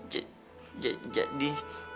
j j jadi